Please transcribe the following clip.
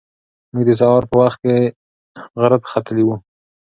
موږ د سهار په وخت کې غره ته ختلي وو.